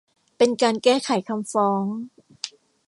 เป็นการแก้ไขคำฟ้อง